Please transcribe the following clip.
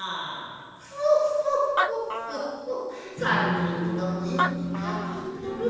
３にんともよくかけとる。